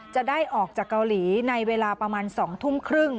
จะได้ออกจากเกาหลีในเวลาประมาณ๒ทุ่มครึ่ง